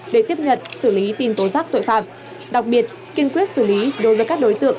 để tiếp nhận xử lý tin tố giác tội phạm đặc biệt kiên quyết xử lý đối với các đối tượng